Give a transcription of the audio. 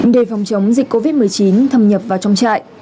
để phòng chống dịch covid một mươi chín thâm nhập vào trong trại